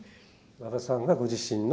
馬場さんがご自身の。